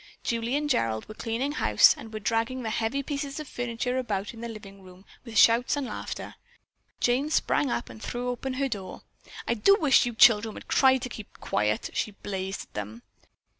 Julie and Gerald were cleaning house and were dragging the heavy pieces of furniture about in the living room with shouts and laughter. Jane sprang up and threw open her door. "I do wish you children would try to keep quiet," she blazed at them.